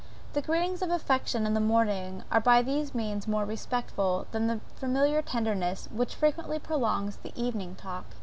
The greetings of affection in the morning are by these means more respectful, than the familiar tenderness which frequently prolongs the evening talk.